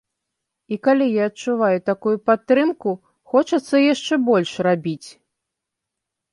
І калі я адчуваю такую падтрымку, хочацца яшчэ больш рабіць.